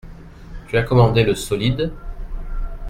Tu as commandé le solide ?